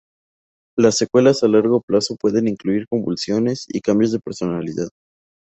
Las secuelas a largo plazo pueden incluir convulsiones y cambios en la personalidad.